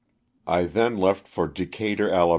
I then left for Decatur, Ala.